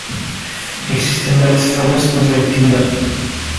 Existen varias formas de reactividad.